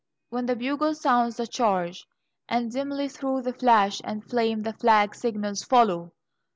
When the bugle sounds the charge, and dimly through the flash and flame the flag signals "Follow!"